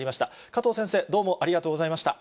加藤先生、どうもありがとうございました。